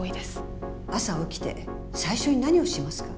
朝起きて最初に何をしますか？